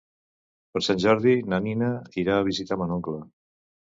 Per Sant Jordi na Nina irà a visitar mon oncle.